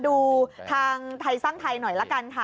ดูทางไทยสร้างไทยหน่อยละกันค่ะ